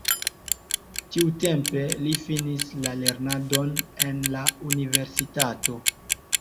Tiutempe li finis la lernadon en la universitato.